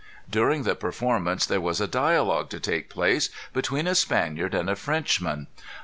During the performance there was a dialogue to take place between a Spaniard and a Frenchman.